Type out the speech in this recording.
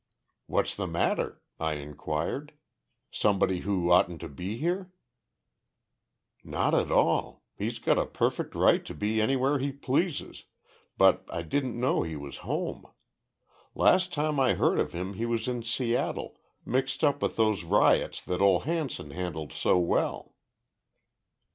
"What's the matter?" I inquired. "Somebody who oughtn't to be here?" "Not at all. He's got a perfect right to be anywhere he pleases, but I didn't know he was home. Last time I heard of him he was in Seattle, mixed up with those riots that Ole Hanson handled so well."